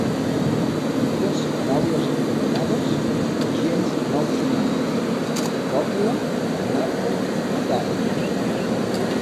En tres paraules encadenades i gens malsonants: còpula-monarca-potada.